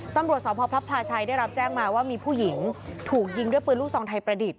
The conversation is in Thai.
ตำรวจสพพระพลาชัยได้รับแจ้งมาว่ามีผู้หญิงถูกยิงด้วยปืนลูกซองไทยประดิษฐ